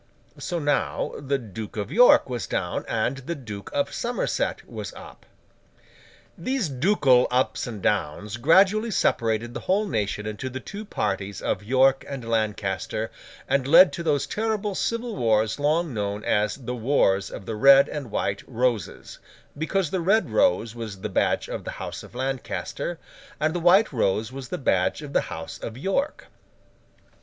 So now the Duke of York was down, and the Duke of Somerset was up. These ducal ups and downs gradually separated the whole nation into the two parties of York and Lancaster, and led to those terrible civil wars long known as the Wars of the Red and White Roses, because the red rose was the badge of the House of Lancaster, and the white rose was the badge of the House of York.